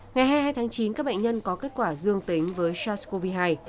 ngày hai mươi hai tháng chín các bệnh nhân có kết quả dương tính với sars cov hai